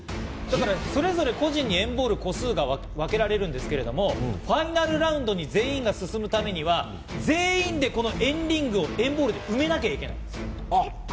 それぞれ個人に＆ＢＡＬＬが分けられるんですけれども、ファイナルラウンドに全員が進むためには、全員でこの＆ＲＩＮＧを＆ＢＡＬＬで埋めなきゃいけない。